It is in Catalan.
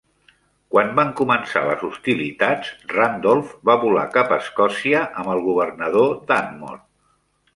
Quan van començar les hostilitats, Randolph va volar cap a Escòcia amb el governador Dunmore.